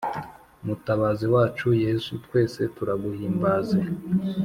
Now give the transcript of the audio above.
Mutabazi wacu yesu twese turaguhimbaze